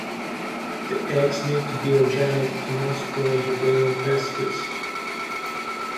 The eggs need to be organic to not spoil the royal pastries.